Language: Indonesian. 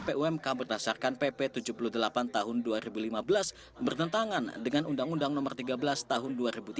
pmk berdasarkan pp tujuh puluh delapan tahun dua ribu lima belas bertentangan dengan undang undang no tiga belas tahun dua ribu tujuh belas